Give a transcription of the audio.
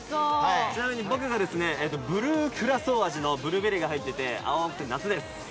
ちなみに僕がブルーキュラソー味のブルーベリーが入っていて青くて夏です。